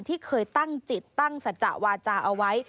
ที่เคยตั้งจิตตั้งสัจจะวาจาเอาไว้